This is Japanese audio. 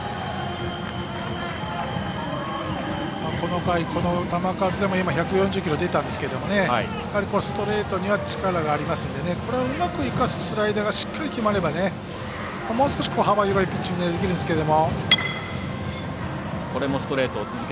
この回、この球数でも１４０キロが出たんですけどもストレートには力がありますんでこれをうまく生かすスライダーがしっかり決まればもう少し幅広いピッチングができるんですけども。